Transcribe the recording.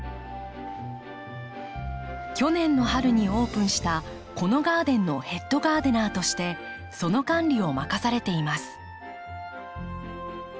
去年の春にオープンしたこのガーデンのヘッドガーデナーとしてその管理を任されています。